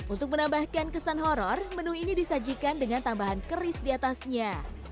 untuk menambahkan kesan horror menu ini disajikan dengan tambahan keris di atasnya